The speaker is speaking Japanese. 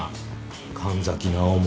神崎直も。